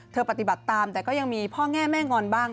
ปฏิบัติตามแต่ก็ยังมีพ่อแง่แม่งอนบ้าง